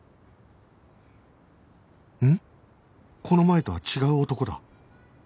この前とは違う男だ